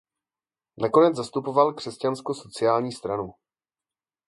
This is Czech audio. Nakonec zastupoval Křesťansko sociální stranu.